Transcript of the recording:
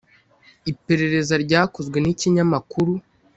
Iperereza ryakozwe n’ikinyamakuru